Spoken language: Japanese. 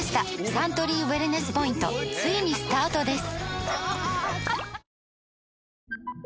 サントリーウエルネスポイントついにスタートです！